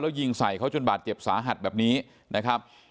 แล้วยิงใส่เขาจนบาดเจ็บสาหัสแบบนี้นะครับ